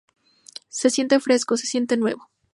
Se siente fresco, se siente nuevo.